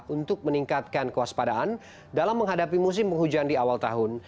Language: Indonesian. untuk meningkatkan kewaspadaan dalam menghadapi musim penghujan di awal tahun